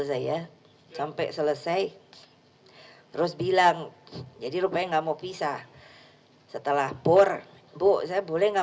saya sampai selesai terus bilang jadi rupanya nggak mau pisah setelah pur bu saya boleh nggak